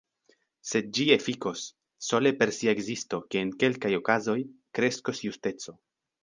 Sed ĝi efikos, sole per sia ekzisto, ke en kelkaj okazoj kreskos justeco.